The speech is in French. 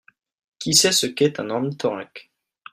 Qui sait ce qu'est un ornithorinque ?